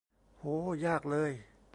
โห ยากเลย